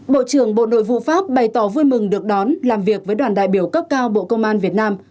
bộ trưởng bộ nội vụ pháp bày tỏ vui mừng được đón làm việc với đoàn đại biểu cấp cao bộ công an việt nam